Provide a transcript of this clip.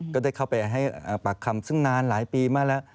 ก็ได้เข้าไปให้ปากคำซึ่งนานหลายปีมาแล้ว